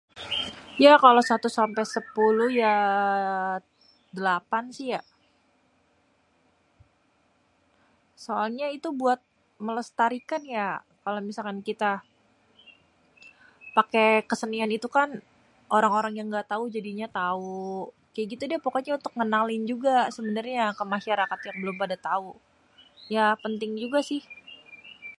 ya kalo satu sampé sépuluh ya délapan si ya soalnyé itu buat melestarikan ya kalo misalkan kita paké kesenian itu kan orang-orang yang gatau kan jadinyé tau kek gitudéh pokoknyé untuk ngénalin juga sebenrnyé kemasyarakat-masyarakat belum pada tau ya penting juga si